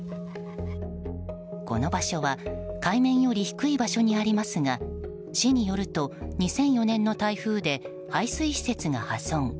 この場所は海面より低い場所にありますが市によると、２００４年の台風で排水施設が破損。